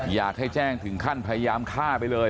อยากให้แจ้งถึงขั้นพยายามฆ่าไปเลย